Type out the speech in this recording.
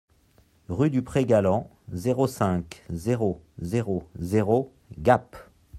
Rue du Pré Galland, zéro cinq, zéro zéro zéro Gap